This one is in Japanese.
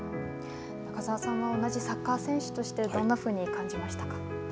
中澤さんは同じサッカー選手として、どんなふうに感じましたか。